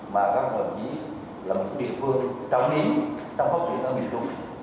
mà góp đồng ý làm một địa phương trang ý trong phát triển công nghiệp trung